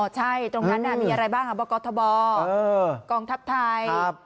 อ๋อใช่ตรงนั้นอ่ะมีอะไรบ้างครับว่ากบกองทัพไทยครับ